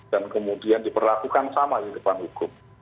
dan kemudian diperlakukan sama di depan hukum